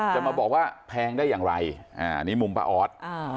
จะมาบอกว่าแพงได้อย่างไรอันนี้มุมป้าออส